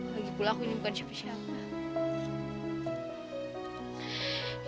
lagipula aku ini bukan siapa siapa